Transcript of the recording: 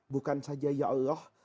bukan saja ya allah